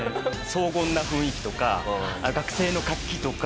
荘厳な雰囲気とか学生の活気とか。